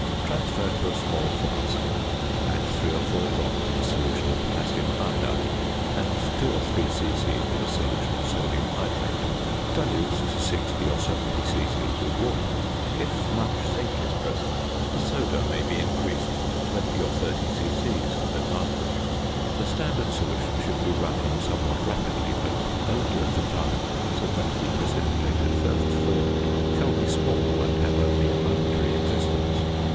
Transfer to a small flask, add 3 or 4 drops of a solution of potassium iodide and 2 or 3 c.c. of a solution of sodium hydrate; dilute to 60 or 70 c.c. with water. If much zinc is present the soda may be increased to 20 or 30 c.c. with advantage. The standard solution should be run in somewhat rapidly, but a little at a time, so that the precipitate at first formed shall be small and have only a momentary existence.